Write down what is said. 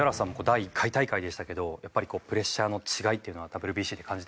第１回大会でしたけどやっぱりプレッシャーの違いっていうのはＷＢＣで感じてましたか？